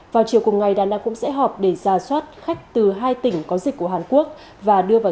vào chiều cùng ngày đàna cũng sẽ họp để ra soát khách từ hai tỉnh có dịch của hàn quốc và đưa vào